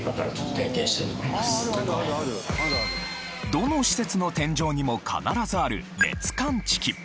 どの施設の天井にも必ずある熱感知器